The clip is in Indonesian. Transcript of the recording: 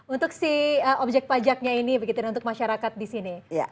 untuk si objek pajaknya ini untuk masyarakat di sini